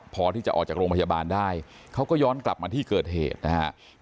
พอที่จะออกจากโรงพยาบาลได้เขาก็ย้อนกลับมาที่เกิดเหตุนะครับ